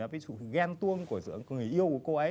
ví dụ ghen tuông của người yêu của cô ấy